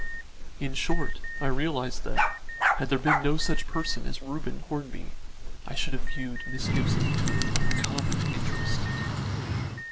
In short, I realised that, had there been no such person as Reuben Hornby, I should have viewed Miss Gibson with uncommon interest.